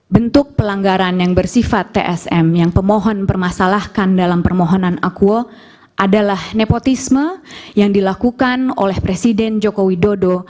bentuk pelanggaran yang bersifat tsm yang pemohon permasalahkan dalam permohonan akuo adalah nepotisme yang dilakukan oleh presiden joko widodo